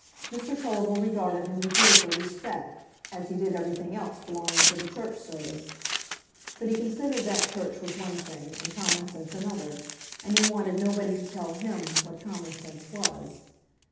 Mr Tulliver regarded him with dutiful respect, as he did everything else belonging to the church service; but he considered that church was one thing and common sense another, and he wanted nobody to tell him what commonsense was.